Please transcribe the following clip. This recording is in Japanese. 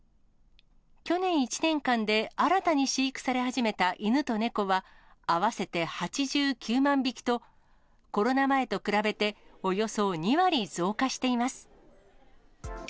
去年１年間で新たに飼育され始めた犬と猫は、合わせて８９万匹と、コロナ前と比べて、およそ２割増加しています。